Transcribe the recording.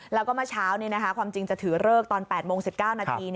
แล้วก็เมื่อเช้าความจริงจะถือเลิกตอน๘โมง๑๙นาที